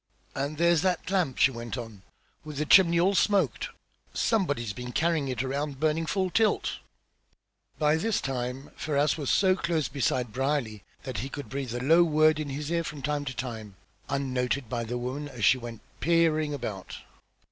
"And there's that lamp!" she went on, "with the chimney all smoked! Somebody's been carrying it around burning full tilt." By this time Ferrars was so close beside Brierly that he could breathe a low word in his ear, from time to time, unnoted by the woman as she went peering about.